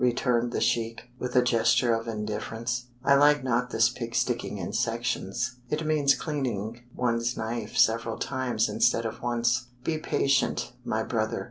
returned the sheik, with a gesture of indifference. "I like not this pig sticking in sections. It means cleaning one's knife several times instead of once. Be patient, my brother.